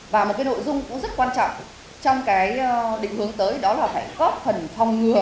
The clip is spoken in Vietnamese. và một cái nội dung cũng rất quan trọng trong cái định hướng tới đó là phải góp phần phòng ngừa